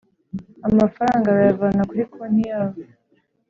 Amafaranga bayavana kuri konti yabo